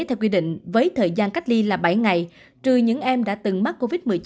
theo quy định với thời gian cách ly là bảy ngày trừ những em đã từng mắc covid một mươi chín